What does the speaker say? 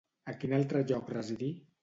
A quin altre lloc residí?